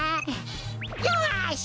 よし！